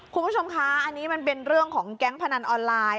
คุณผู้ชมคะอันนี้มันเป็นเรื่องของแก๊งพนันออนไลน์